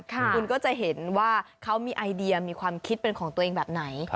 คุณก็จะเห็นว่าเขามีไอเดียมีความคิดเป็นของตัวเองแบบไหน